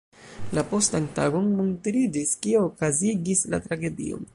La postan tagon montriĝis, kio okazigis la tragedion.